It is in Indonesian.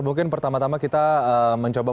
mungkin pertama tama kita mencoba